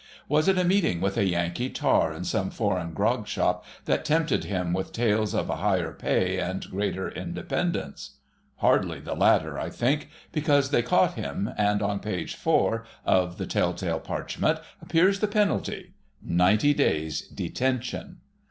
Was it a meeting with a Yankee tar in some foreign grog shop that tempted him with tales of a higher pay and greater independence? Hardly the latter, I think, because they caught him, and on page 4 of the tell tale parchment appears the penalty—90 days' Detention.